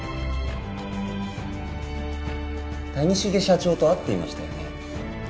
谷繁社長と会っていましたよね？